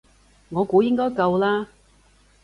我估應該夠啦